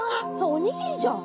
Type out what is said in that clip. おにぎりじゃん！